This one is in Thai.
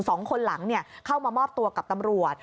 สองคนหลังเข้ามามอบตัวกับตำรวจ